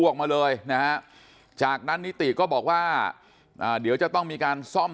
ออกมาเลยนะฮะจากนั้นนิติก็บอกว่าเดี๋ยวจะต้องมีการซ่อม